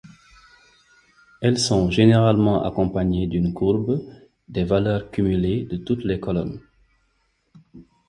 Elles sont généralement accompagnées d'une courbe des valeurs cumulées de toutes les colonnes.